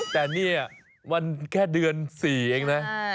แต่เนี่ยมันแค่เดือน๔เองนะ